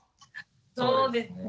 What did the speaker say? そうですね。